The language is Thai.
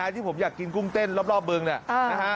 ที่ผมอยากกินกุ้งเต้นรอบบึงเนี่ยนะฮะ